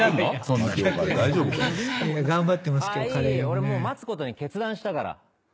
俺もう待つことに決断したから。